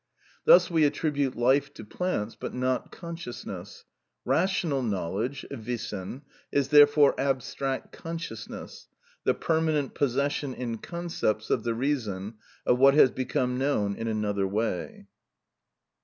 Thus we attribute life to plants, but not consciousness. Rational knowledge (wissen) is therefore abstract consciousness, the permanent possession in concepts of the reason, of what has become known in another way.